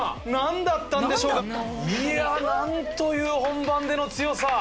いや何という本番での強さ！